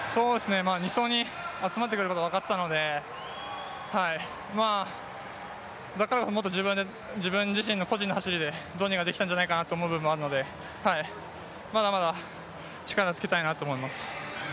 ２走に集まってくることは分かっていたのでだからこそ自分自身、個人の走りでどうにかできたんじゃないかなと思う部分もあるので、まだまだ力つけたいなと思います。